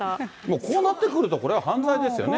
こうなってくると、これは犯罪ですよね。